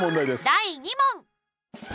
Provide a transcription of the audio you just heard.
第２問！